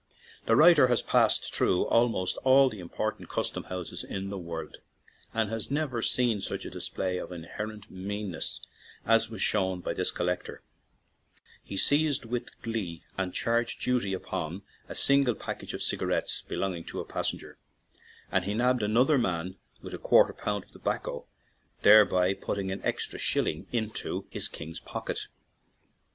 The writer has passed through almost all the important custom houses in the world, and has never seen such a dis play of inherent meanness as was shown by this "collector/' He seized with glee and charged duty upon a single package of cigarettes belonging to a passenger, and he "nabbed" another man with a quarter pound of tobacco, thereby putting an extra shilling into his King's pocket.